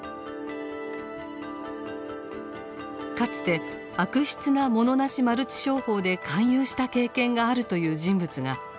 かつて悪質なモノなしマルチ商法で勧誘した経験があるという人物がその手口を明かしました。